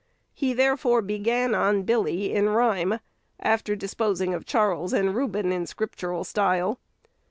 He therefore began on "Billy" in rhyme, after disposing of Charles and Reuben "in scriptural style."